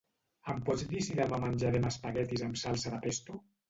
Em pots dir si demà menjarem espaguetis amb salsa de pesto?